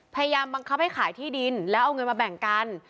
พยายามบังคับให้ขายที่ดินแล้วเอาเงินมาแบ่งกัน